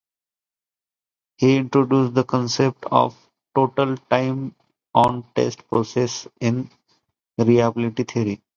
He introduced the concept of "Total Time on Test" processes in reliability theory.